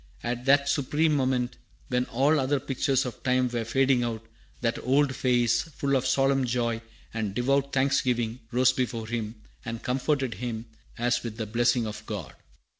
At that supreme moment, when all other pictures of time were fading out, that old face, full of solemn joy and devout thanksgiving, rose before him, and comforted him as with the blessing of God.